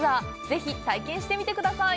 ぜひ体験してみてください。